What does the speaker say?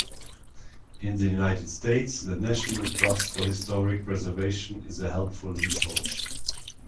In the United States the National Trust for Historic Preservation is a helpful resource.